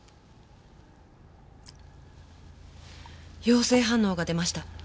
陽性反応が出ました。